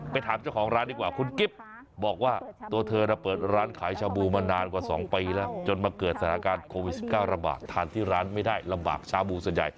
ถามเจ้าของร้านดีกว่าคุณกิฟต์บอกว่าตัวเธอเปิดร้านขายชาบูมานานกว่า๒ปีแล้วจนมาเกิดสถานการณ์โควิด๑๙ระบาดทานที่ร้านไม่ได้ลำบากชาบูส่วนใหญ่